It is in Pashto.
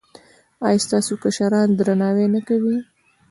ایا ستاسو کشران درناوی نه کوي؟